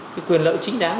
cái quyền lợi chính đáng